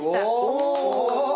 お！